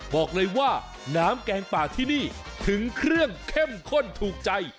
บอกเลยว่าน้ำแกงป่าที่นี่ถึงเครื่องเข้มข้นถูกใจ